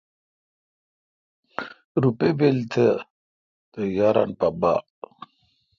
روپہ بیل تو تے یاران پہ باڑ۔